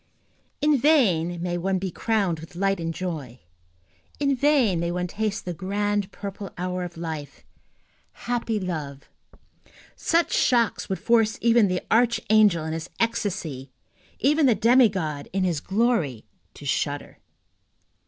In vain may one be crowned with light and joy, in vain may one taste the grand purple hour of life, happy love, such shocks would force even the archangel in his ecstasy, even the demigod in his glory, to shudder.